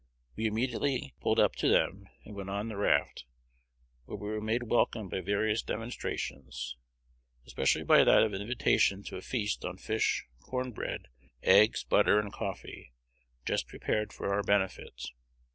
We immediately pulled up to them and went on the raft, where we were made welcome by various demonstrations, especially by that of an invitation to a feast on fish, corn bread, eggs, butter, and coffee, just prepared for our benefit.